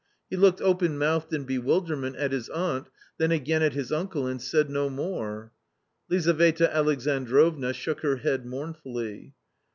He looked open mouthed in bewilderment at his aunt, then again at his uncle, and said no more. Lizaveta Alexan drovna shook her head mournfully.